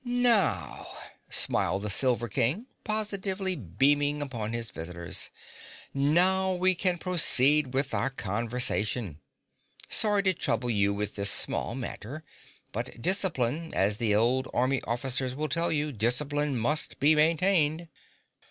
"Now," smiled the Silver King, positively beaming upon his visitors, "now we can proceed with our conversation. Sorry to trouble you with this small matter, but discipline, as the old army officers will tell you, discipline must be maintained."